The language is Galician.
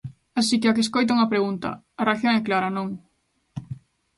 Así que á que escoita unha pregunta, a reacción é clara: Non.